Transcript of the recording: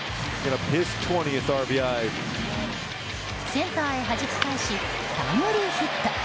センターへはじき返しタイムリーヒット。